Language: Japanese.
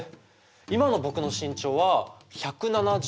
今の僕の身長は１７３ｃｍ。